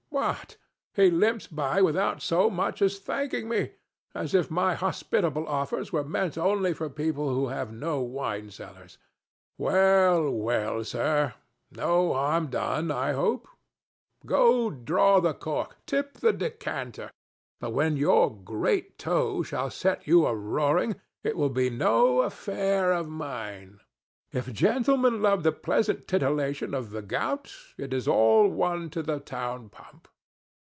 What! he limps by without so much as thanking me, as if my hospitable offers were meant only for people who have no wine cellars.—Well, well, sir, no harm done, I hope? Go draw the cork, tip the decanter; but when your great toe shall set you a roaring, it will be no affair of mine. If gentlemen love the pleasant titillation of the gout, it is all one to the town pump.